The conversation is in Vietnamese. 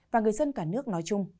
và người dân cả nước nói chung